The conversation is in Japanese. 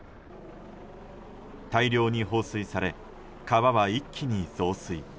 大量に放水され川は一気に増水。